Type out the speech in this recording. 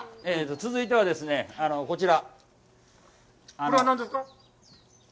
続いてはですね、こちら。